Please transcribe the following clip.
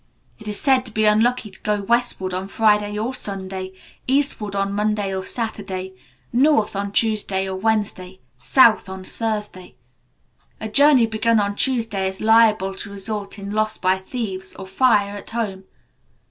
It is said to be unlucky to go westward on Friday or Sunday, eastward on Monday or Saturday, north on Tuesday or Wednesday, south on Thursday. A journey begun on Tuesday is liable to result in loss by thieves or fire at home.